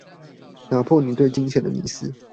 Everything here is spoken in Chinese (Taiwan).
打破你對金錢的迷思